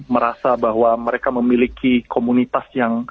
merasa bahwa mereka memiliki komunitas yang